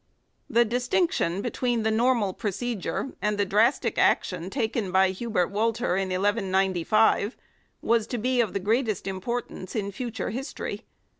The distinction between the normal procedure and the drastic action taken by Hubert Walter in 1 195 was to be of the greatest importance in future history.